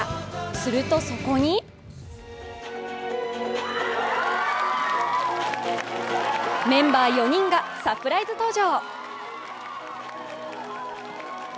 すると、そこにメンバー４人がサプライズ登場。